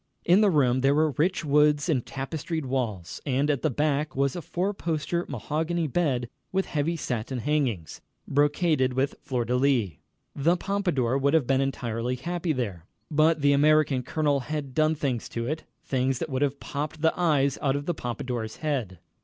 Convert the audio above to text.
In the room there were rich woods and tapestried walls, and at the back was a four poster mahogany bed with heavy satin hangings, brocaded with fleur de lis. The Pompadour would have been entirely happy there. But the American colonel had done things to it things that would have popped the eyes out of the Pompadour's head.